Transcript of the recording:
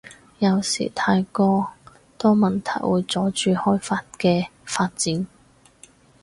有時太過多問題會阻住開法嘅發展